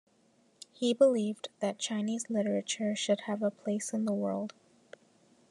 He believed that Chinese literature should have a place in the world.